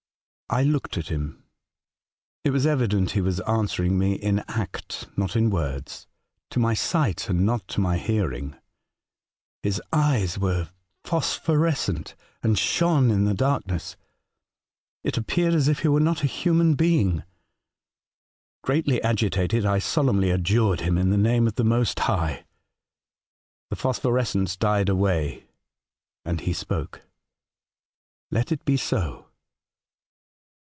I looked at him. It was evi dent he was answering me in act, not in words — to my sight and not to my hearing. His eyes were phosphorescent and shone in the dark ness. It appeared as if he were not a human being. Greatly agitated, I solemnly adjured him in the name of the Most High. The phos phorescence died away and he spoke. ' Let it be so